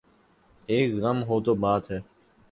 ایک غم ہو تو بات ہے۔